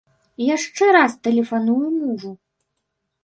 Яшчэ раз тэлефаную мужу.